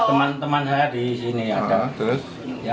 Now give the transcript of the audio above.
teman teman saya di sini ada terus